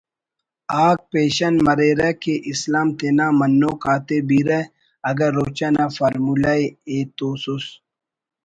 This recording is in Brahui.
آک پیشن مریرہ کہ اسلام تینا منوک آتے بیرہ اگہ روچہ نا فارمولہ ءِ ایتوسس